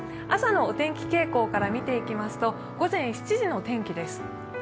朝のお天気傾向から見ていきますと午前７時の天気です。